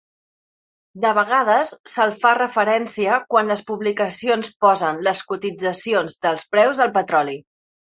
De vegades se'l fa referència quan les publicacions posen les cotitzacions dels preus del petroli.